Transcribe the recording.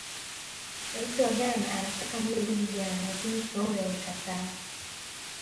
Rais wa Ghana Anataka mwili urudi Ghana lakini Toure alikataa